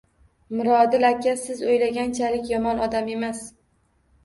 Mirodil aka siz o`ylaganchalik yomon odam emas